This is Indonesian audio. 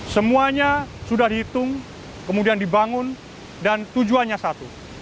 semuanya sudah dihitung kemudian dibangun dan tujuannya satu